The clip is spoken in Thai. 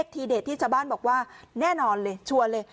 ทีเด็ดที่ชาวบ้านบอกว่าแน่นอนเลยชวนเลย